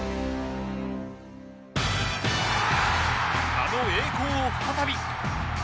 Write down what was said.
あの栄光を再び！